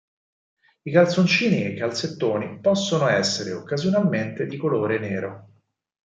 I calzoncini e i calzettoni possono essere, occasionalmente, di colore nero.